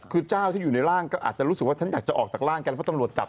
คือเจ้าที่อยู่ในร่างก็อาจจะรู้สึกว่าฉันอยากจะออกจากร่างกันเพราะตำรวจจับ